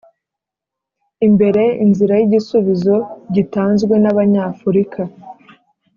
imbere inzira y'igisubizo gitanzwe n'abanyafurika,